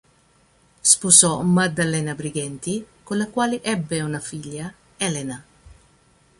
Sposò Maddalena Brighenti, con la quale ebbe una figlia, Elena.